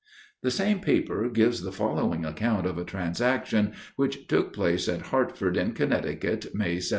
_" The same paper gives the following account of a transaction, which took place at Hartford, in Connecticut, May 17.